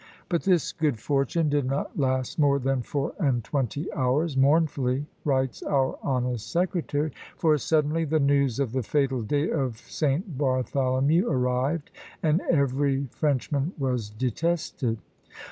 "But this good fortune did not last more than four and twenty hours," mournfully writes our honest secretary; "for suddenly the news of the fatal day of St. Bartholomew arrived, and every Frenchman was detested."